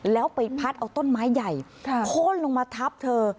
แล้วไปพัดเอาต้นไม้ใหญ่โค้นลงมาทับเธอ